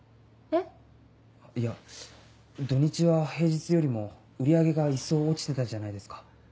えっ？いや土日は平日よりも売り上げが一層落ちてたじゃないですか。